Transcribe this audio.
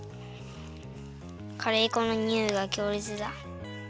カレー粉のにおいがきょうれつだ。